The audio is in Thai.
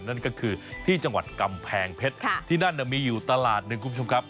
นั่นก็คือที่จังหวัดกำแพงเพชรที่นั่นมีอยู่ตลาดหนึ่งคุณผู้ชมครับ